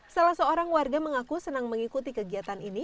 salah seorang warga mengaku senang mengikuti kegiatan ini